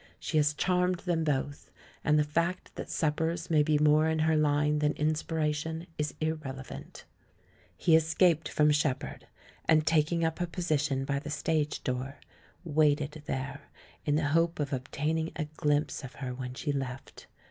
She has charmed them both; and the fact that suppers may be more in her line than inspiration is ir relevant. He escaped from Shepherd, and taking up a position by the stage door, waited there in the hope of obtaining a glimpse of her when she left.